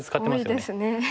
多いですね。